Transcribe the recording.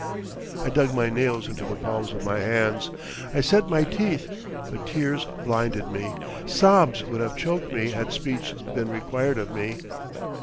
I dug my nails into the palms of my hands, I set my teeth, but tears blinded me, sobs would have choked me had speech been required of me.